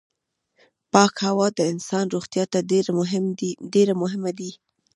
پاکه هوا د انسان روغتيا ته ډېره مهمه ده.